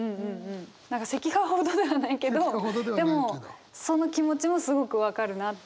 何か石化ほどではないけどでもその気持ちもすごく分かるなって。